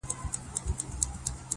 • مقرر سوه دواړه سم یوه شعبه کي..